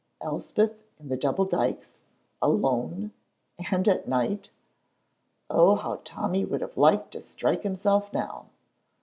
Elspeth in the double dykes alone and at night! Oh, how Tommy would have liked to strike himself now!